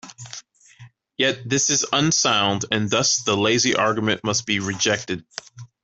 Yet this is unsound and thus the lazy argument must be rejected.